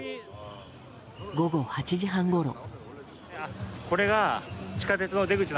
午後８時半ごろ。